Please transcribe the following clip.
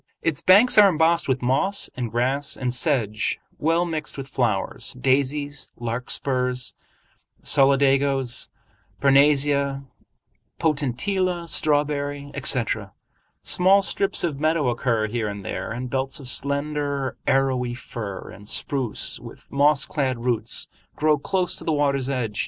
Its banks are embossed with moss and grass and sedge well mixed with flowers—daisies, larkspurs, solidagos, parnassia, potentilla, strawberry, etc. Small strips of meadow occur here and there, and belts of slender arrowy fir and spruce with moss clad roots grow close to the water's edge.